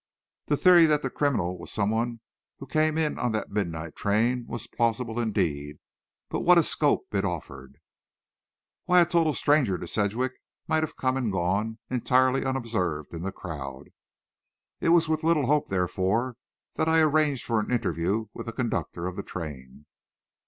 The theory that the criminal was some one who came in on that midnight train was plausible indeed; but what a scope it offered! Why, a total stranger to Sedgwick might have come and gone, entirely unobserved, in the crowd. It was with little hope, therefore, that I arranged for an interview with the conductor of the train.